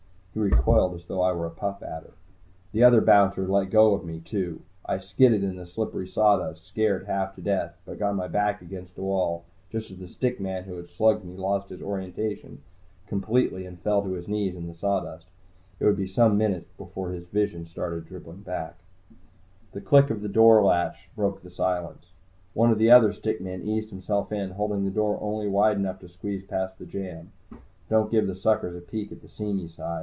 He recoiled as though I were a Puff Adder. The other bouncer let go of me, too. I skidded in the slippery sawdust, scared half to death, but got my back against a wall just as the stick man who had slugged me lost his orientation completely and fell to his knees in the sawdust. It would be some minutes before his vision started dribbling back. The click of the door latch broke the silence. One of the other stick men eased himself in, holding the door only wide enough to squeeze past the jamb. Don't give the suckers a peek at the seamy side.